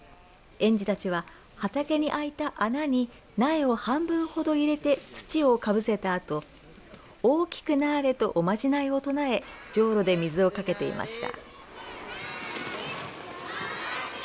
園児たちは、畑に空いた穴に苗を半分ほど入れて土をかぶせたあと大きくなあれとおまじないを唱えじょうろで水をかけていました。